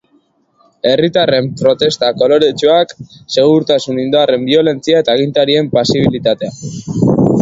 Herritarren protesta koloretsuak, segurtasun indarren biolentzia eta agintarien pasibitatea.